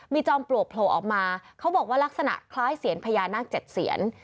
มีจอมปลวกโผล่ออกมาเขาบอกว่าลักษณะคล้ายเสียนพญานาค๗เสียน